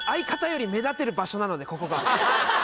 ここが。